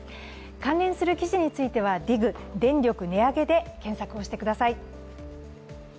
関連する記事については、「ＤＩＧ電力値上げ」で検索してください。